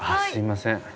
すいません。